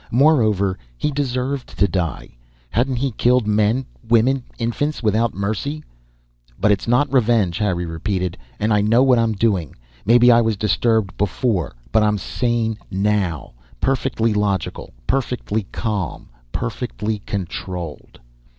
Moreover, he deserved to die. Hadn't he killed men, women, infants, without mercy? But it's not revenge, Harry repeated. _And I know what I'm doing. Maybe I was disturbed before, but I'm sane now. Perfectly logical. Perfectly calm. Perfectly controlled.